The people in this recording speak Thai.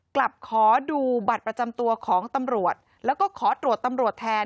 กลับขอดูบัตรประจำตัวของตำรวจแล้วก็ขอตรวจตำรวจแทน